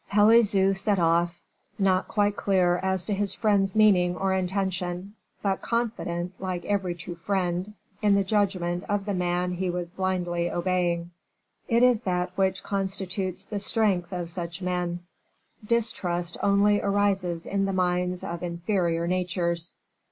Pelisson set off, not quite clear as to his friend's meaning or intention, but confident, like every true friend, in the judgment of the man he was blindly obeying. It is that which constitutes the strength of such men; distrust only arises in the minds of inferior natures.